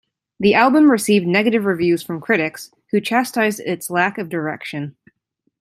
The album received negative reviews from critics, who chastised its lack of direction.